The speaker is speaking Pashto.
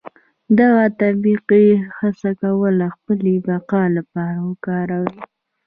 دغه طبقې هڅه کوله خپلې بقا لپاره وکاروي.